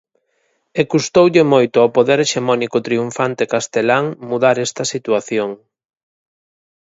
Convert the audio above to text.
E custoulle moito ao poder hexemónico triunfante castelán mudar esta situación.